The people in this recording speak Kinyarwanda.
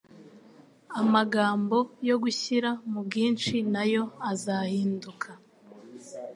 amagambo yo gushyira mu bwinshi nayo azahinduka,